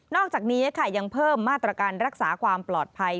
อกจากนี้ค่ะยังเพิ่มมาตรการรักษาความปลอดภัย